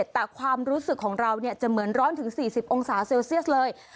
แต่ความรู้สึกของเราจะเหมือนร้อนถึง๔๐องศาเซลเซียสเลย